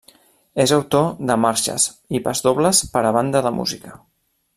És autor de marxes i pasdobles per a banda de música.